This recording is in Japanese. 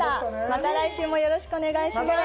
また来週もよろしくお願いします。